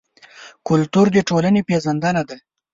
کلتور د ټولنې پېژندنه ده.